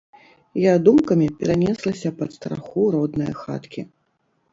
Я думкамі перанеслася пад страху роднае хаткі.